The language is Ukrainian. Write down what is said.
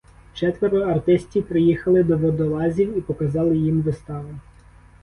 Четверо артистів приїхали до водолазів і показали їм виставу.